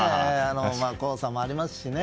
黄砂もありますしね。